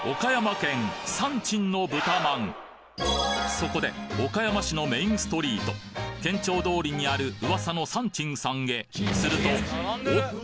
そこで岡山市のメインストリート県庁通りにある噂の山珍さんへするとおっと！